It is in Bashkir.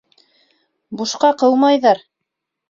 Бушҡа ҡыумайҙар.